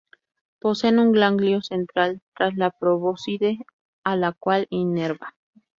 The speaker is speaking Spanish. Poseen un ganglio central tras la probóscide, a la cual inerva.